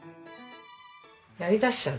やりだしちゃうとね